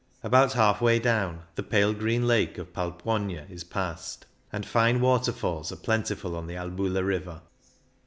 About half way down the pale green lake of Palpuogna is passed, and fine waterfalls are plentiful on the Albula river.